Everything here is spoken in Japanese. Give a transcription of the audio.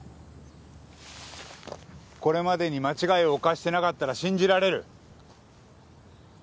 これまでに間違いを犯してなかったら信じられる？